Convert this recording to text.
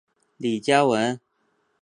李嘉文。